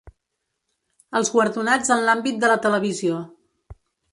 Els guardonats en l’àmbit de la televisió.